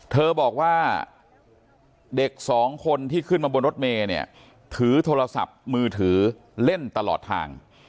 เธอบอกว่าเด็กสองคนที่ขึ้นมาบนรถเมย์เนี่ยถือโทรศัพท์มือถือเล่นตลอดทาง